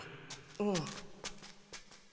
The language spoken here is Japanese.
うん。